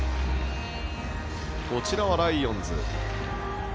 こちらはライオンズ。